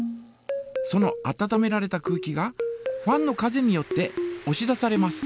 その温められた空気がファンの風によっておし出されます。